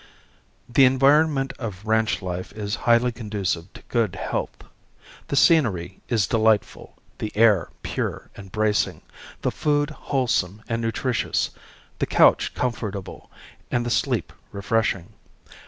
The environment of ranch life is highly conducive to good health. The scenery is delightful, the air pure and bracing, the food wholesome and nutritious, the couch comfortable and the sleep refreshing.